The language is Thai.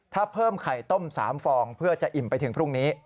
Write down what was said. ถ้าเพิ่มไข่ต้ม๓ฟองเพื่อจะอิ่มไปถึงพรุ่งนี้